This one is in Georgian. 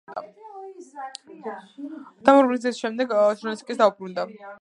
დემობილიზაციის შემდეგ ჟურნალისტიკას დაუბრუნდა.